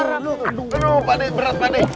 aduh aduh aduh berat adik